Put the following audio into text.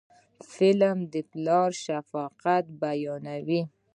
فلم د پلار شفقت بیانوي